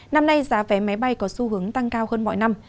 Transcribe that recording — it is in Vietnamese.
năm nay giá vé máy bay có xu hướng tăng cao hơn mọi năm